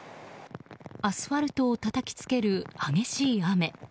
アスファルトをたたき付ける激しい雨。